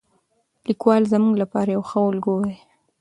لیکوال زموږ لپاره یو ښه الګو دی.